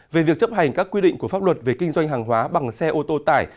về việc chấp hành các quy định của pháp luật về kinh doanh hàng hóa bằng xe ô tô tải